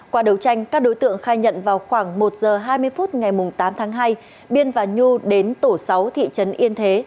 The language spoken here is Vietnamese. qua đấu tranh các đối tượng khai nhận vào khoảng một giờ hai mươi phút ngày tám tháng hai biên và nhu đến tổ sáu thị trấn yên thế